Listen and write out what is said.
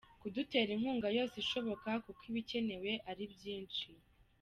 Kudutera inkunga yose ishoboka kuko ibikenewe ari byinshi .